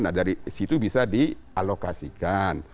nah dari situ bisa di alokasikan